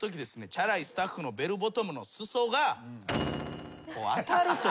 チャラいスタッフのベルボトムの裾が当たると。